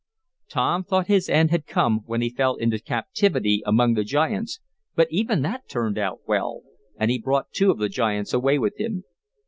Tom thought his end had come when he fell into captivity among the giants; but even that turned out well, and he brought two of the giants away with him.